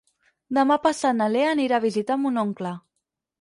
Demà passat na Lea anirà a visitar mon oncle.